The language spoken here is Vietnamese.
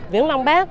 viếng lăng bắc